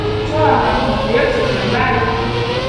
Toa magugu yote shambani